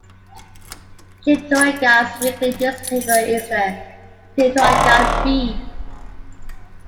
Cheektowaga's weekly newspaper is the "Cheektowaga Bee".